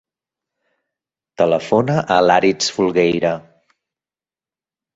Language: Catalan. Telefona a l'Aritz Folgueira.